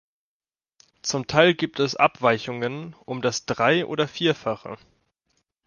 Zum Teil gibt es Abweichungen um das dreioder vierfache.